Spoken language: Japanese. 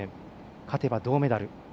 勝てば銅メダル。